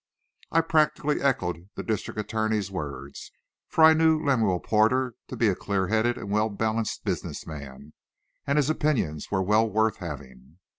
I practically echoed the district attorney's words, for I knew Lemuel Porter to be a clear headed and well balanced business man, and his opinions well worth having.